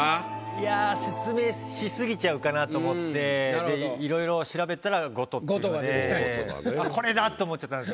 いや説明しすぎちゃうかなと思って色々調べたら「ごと」っていうので。